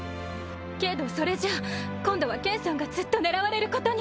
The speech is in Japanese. けどそれじゃ今度は剣さんがずっと狙われることに。